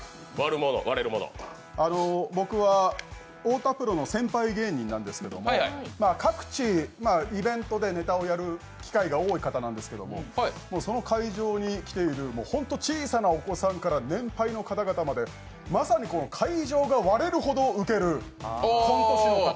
僕は、太田プロの先輩芸人なんですけど各地イベントでネタをやる機会が多い方なんですがその会場に来ているホント小さなお子さんから年配の方々まで会場が割れるほどウケるコント師の方。